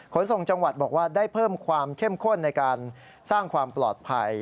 ขนส่งจังหวัดบอกว่าได้เพิ่มความเข้มข้นในการสร้างความปลอดภัย